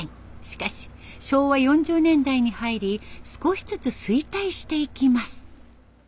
しかし昭和４０年代に入り少しずつ衰退していきます。